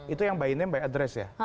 itu yang by name by address ya